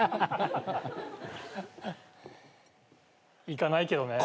行かないけどね。